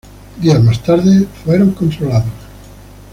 Días más tarde fueron controlados.